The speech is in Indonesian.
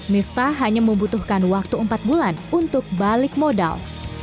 miftah hanya membutuhkan waktu empat bulan untuk balik modal